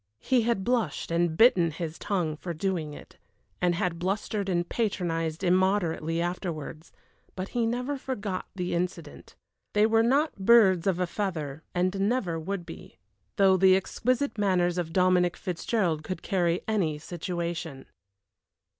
He had blushed and bitten his tongue for doing it, and had blustered and patronized immoderately afterwards, but he never forgot the incident. They were not birds of a feather, and never would be, though the exquisite manners of Dominic Fitzgerald could carry any situation.